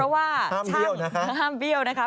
ห้ามเบี้ยวนะครับ